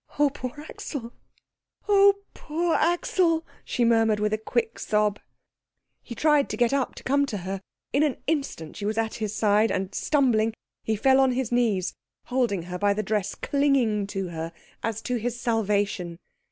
"Oh, poor Axel oh, poor Axel " she murmured with a quick sob. He tried to get up to come to her. In an instant she was at his side, and, stumbling, he fell on his knees, holding her by the dress, clinging to her as to his salvation.